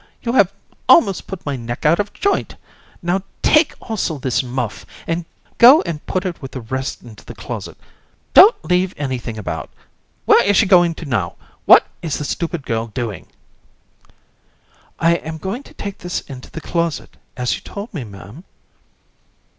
You have almost put my neck out of joint. Now, take also this muff; go and put it with the rest into the closet; don't leave anything about. Well! where is she going to now? What is the stupid girl doing? AND. I am going to take this into the closet, as you told me, Ma'am.